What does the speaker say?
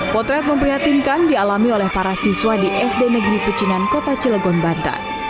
potret memprihatinkan dialami oleh para siswa di sd negeri pecinan kota cilegon banten